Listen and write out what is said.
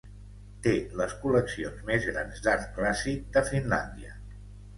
Té les col·leccions més grans d'art clàssic de Finlàndia.